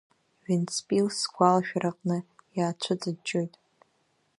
Вентспилс сгәалашәараҟны иаацәыҵыҷҷоит.